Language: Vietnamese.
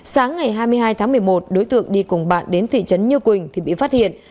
sáng ngày hai mươi hai tháng một mươi một đối tượng đi cùng bạn đến thị trấn như quỳnh thì bị phát hiện